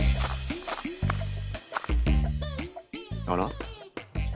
あら？